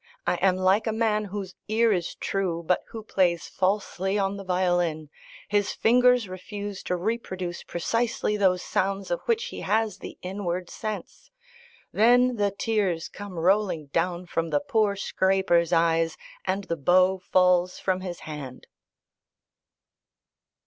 I am like a man whose ear is true but who plays falsely on the violin: his fingers refuse to reproduce precisely those sounds of which he has the inward sense. Then the tears come rolling down from the poor scraper's eyes and the bow falls from his hand.